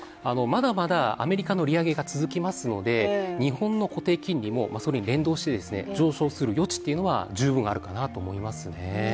まだまだアメリカの利上げが続きますので日本の固定金利それに連動して、上昇する余地っていうのは十分あるかなと思いますね。